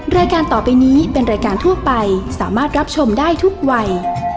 รายการต่อไปนี้เป็นรายการทั่วไปสามารถรับชมได้ทุกวัย